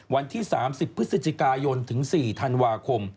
วันที่๓๐พฤศจิกายนถึง๔ธันวาคม